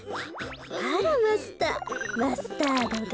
あらマスターマスタードが。